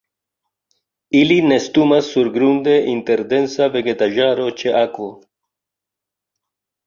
Ili nestumas surgrunde inter densa vegetaĵaro ĉe akvo.